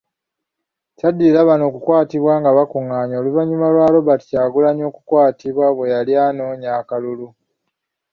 Kyaddirira bano okukwatibwa nga bakungaanye oluvannyuma lwa Robert Kyagulanyi, okukwatibwa bwe yali anoonya akalulu.